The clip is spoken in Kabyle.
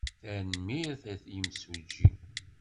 Tanemmirt a imsujji.